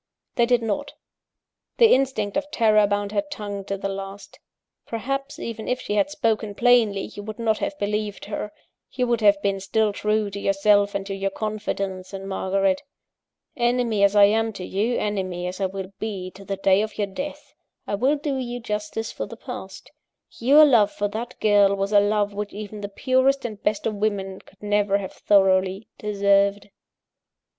They did not; the instinct of terror bound her tongue to the last. Perhaps, even if she had spoken plainly, you would not have believed her; you would have been still true to yourself and to your confidence in Margaret. Enemy as I am to you, enemy as I will be to the day of your death, I will do you justice for the past: Your love for that girl was a love which even the purest and best of women could never have thoroughly deserved.